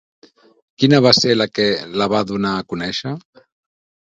Quina va ser la que la va donar a conèixer?